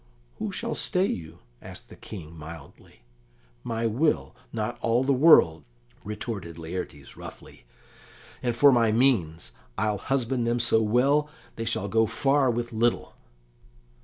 "Who shall stay you?" asked the King mildly. "My will, not all the world!" retorted Laertes roughly. "And for my means, I'll husband them so well, they shall go far with little."